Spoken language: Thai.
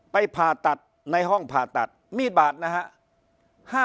ไปผ่าตัดในห้องผ่าตัดมีดบาทนะครับ